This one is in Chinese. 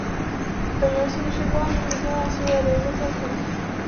本游戏是光明与黑暗系列的一个作品。